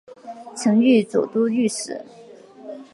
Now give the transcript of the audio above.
曾任左都御史。